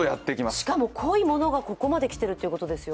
しかも濃いものがここまでやってくるということですね。